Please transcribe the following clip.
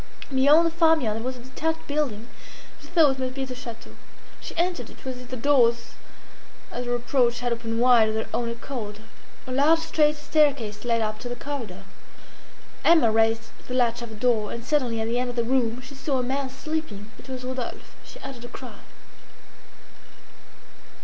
Beyond the farmyard there was a detached building that she thought must be the château She entered it was if the doors at her approach had opened wide of their own accord. A large straight staircase led up to the corridor. Emma raised the latch of a door, and suddenly at the end of the room she saw a man sleeping. It was Rodolphe. She uttered a cry.